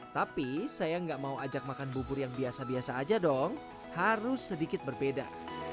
tapi saya nggak mau ajak makan bubur yang biasa biasa aja dong harus sedikit berbeda